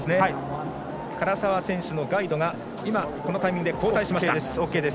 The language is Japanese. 唐澤選手のガイドがこのタイミングで交代しました。